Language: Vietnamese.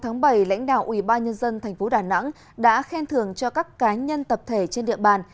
ngày một bảy lãnh đạo ủy ba nhân dân tp đà nẵng đã khen thưởng cho các cá nhân tập thể trên địa bàn